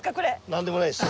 何でもないです。